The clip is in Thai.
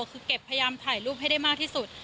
คือเก็บพยายามถ่ายรูปให้ได้มากที่สุด